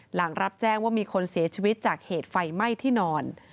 หลังรับแจ้งว่ามีคนเสียชีวิตจากเหตุไฟไหม้ที่นอน